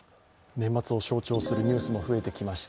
年末を象徴するニュースも増えてきました。